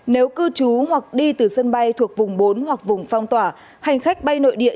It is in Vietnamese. nếu cư trú hoặc đi từ sân bay thuộc vùng bốn hoặc vùng phong tỏa hành khách bay nội địa